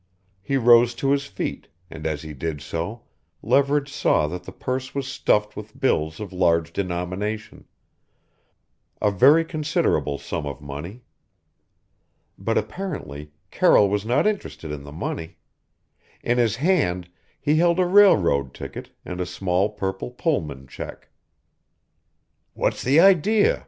He rose to his feet, and as he did so Leverage saw that the purse was stuffed with bills of large denomination a very considerable sum of money. But apparently Carroll was not interested in the money; in his hand he held a railroad ticket and a small purple Pullman check. "What's the idea?"